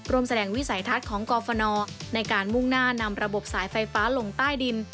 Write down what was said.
แสดงวิสัยทัศน์ของกรฟนในการมุ่งหน้านำระบบสายไฟฟ้าลงใต้ดิน